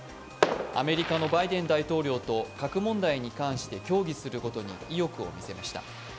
アメリカのバイデン大統領と核問題に関して協議することに意欲を見せました。